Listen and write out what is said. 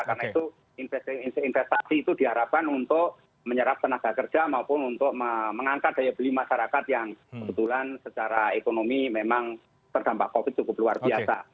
karena itu investasi itu diharapkan untuk menyerap tenaga kerja maupun untuk mengangkat daya beli masyarakat yang kebetulan secara ekonomi memang terdampak covid cukup luar biasa